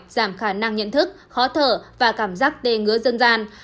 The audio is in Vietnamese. giảm khả năng nhận thức khó thở và cảm giác đề ngứa dân gian